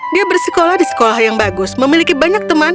dia bersekolah di sekolah yang bagus memiliki banyak teman